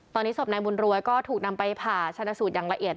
ตอนนี้ศพนายบุญรวยก็ถูกนำไปผ่าชนะสูตรอย่างละเอียด